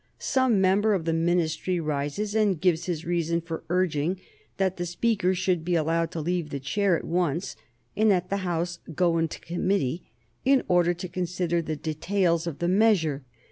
Some member of the Ministry rises and gives his reason for urging that the Speaker should be allowed to leave the chair at once, and that the House go into committee in order to consider the details of the measure.